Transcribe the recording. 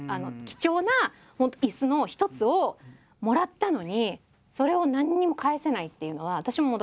貴重な椅子の一つをもらったのにそれを何にも返せないっていうのは私ももどかしかったし。